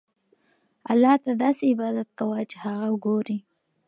الله ته داسې عبادت کوه چې هغه ګورې.